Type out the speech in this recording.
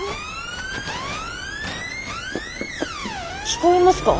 聞こえますか？